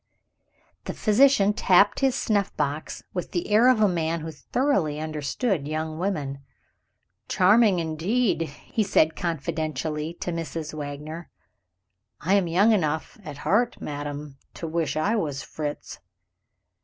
The physician tapped his snuff box, with the air of a man who thoroughly understood young women. "Charming indeed!" he said confidentially to Mrs. Wagner; "I am young enough (at heart, madam) to wish I was Fritz."